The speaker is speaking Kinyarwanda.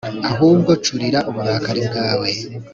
ahubwo curira uburakari bwawe